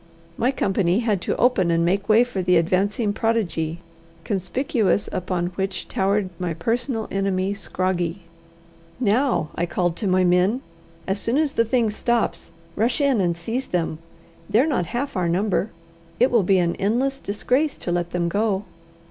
My company had to open and make way for the advancing prodigy, conspicuous upon which towered my personal enemy Scroggie. "Now," I called to my men, "as soon as the thing stops, rush in and seize them: they're not half our number. It will be an endless disgrace to let them go."